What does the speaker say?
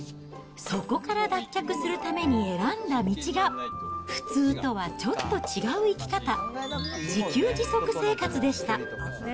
そこから脱却するために選んだ道が、普通とはちょっと違う生き方、自給自足生活でした。